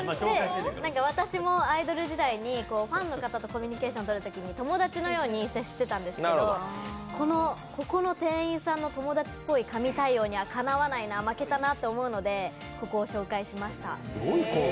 私もアイドル時代にファンの方たちとコミュニケーションとるときに友達のように接してたんですけど、ここの店員さんの友達っぽい神対応にはかなわないな、負けたなと思うのでここを紹介しました。